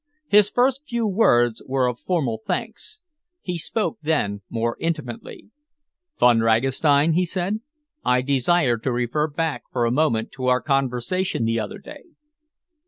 His first few words were of formal thanks. He spoke then more intimately. "Von Ragastein," he said, "I desire to refer back for a moment to our conversation the other day."